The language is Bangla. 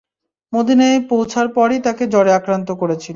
মদীনায় পৌঁছার পরই তাকে জ্বরে আক্রান্ত করেছিল।